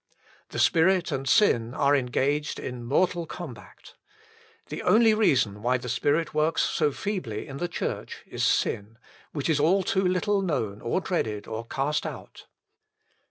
The Spirit and sin are engaged in a mortal combat. The only reason why the Spirit works so feebly in the Church is sin, which is all too little known or dreaded or cast out.